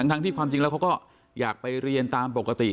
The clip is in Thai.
ทั้งที่ความจริงแล้วเขาก็อยากไปเรียนตามปกติ